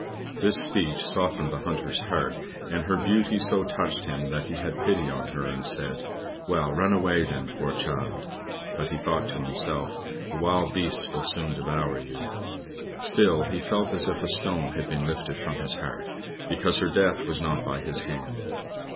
This speech softened the Hunter's heart, and her beauty so touched him that he had pity on her and said, "Well, run away then, poor child." But he thought to himself, "The wild beasts will soon devour you." Still he felt as if a stone had been lifted from his heart, because her death was not by his hand.